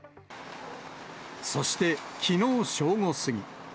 そして、きのう正午過ぎ。